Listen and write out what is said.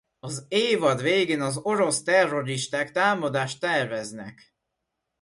Az évad végén az orosz terroristák támadást terveznek.